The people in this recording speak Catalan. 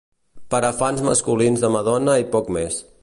Per a fans masculins de Madonna i poc més.